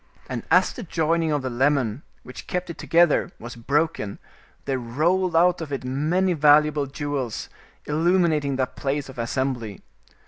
And as the joining of the lemon, which kept it together, was broken, there rolled out of it many valuable jewels, illu minating that place of assembly.